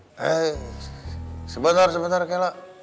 eh sebentar sebentar kela